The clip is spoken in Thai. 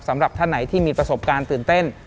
สำหรับท่านไหนที่มีประสบการณ์ตื่นเต้น